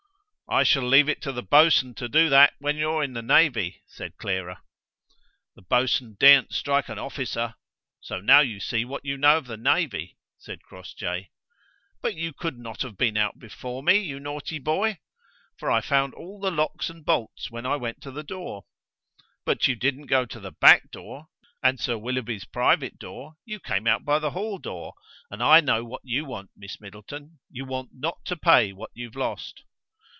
"I shall leave it to the boatswain to do that when you're in the navy," said Clara. "The boatswain daren't strike an officer! so now you see what you know of the navy," said Crossjay. "But you could not have been out before me, you naughty boy, for I found all the locks and bolts when I went to the door." "But you didn't go to the back door, and Sir Willoughby's private door: you came out by the hall door; and I know what you want, Miss Middleton, you want not to pay what you've lost."